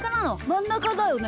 まんなかだよね？